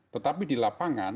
tetapi di lapangan